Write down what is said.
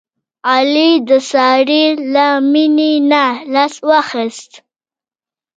علي د سارې له مینې نه لاس واخیست.